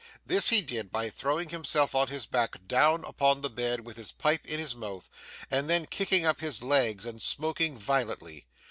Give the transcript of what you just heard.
This he did, by throwing himself on his back upon the bed with his pipe in his mouth, and then kicking up his legs and smoking violently.